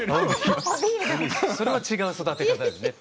・それは違う育て方ですね。